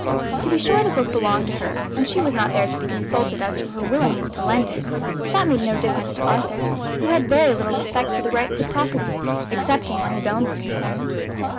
To be sure the book belonged to her, and she was not there to be consulted as to her willingness to lend it; but that made no difference to Arthur, who had very little respect for the rights of property, excepting where his own were concerned.